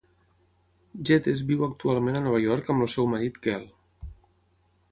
Geddes viu actualment a Nova York amb el seu marit Kel.